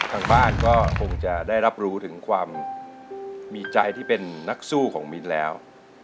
ทางบ้านก็คงจะได้รับรู้ถึงความมีใจที่เป็นนักสู้ของมิ้นแล้ว